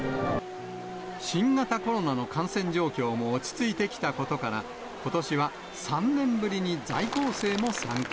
新型コロナの感染状況も落ち着いてきたことから、ことしは３年ぶりに在校生も参加。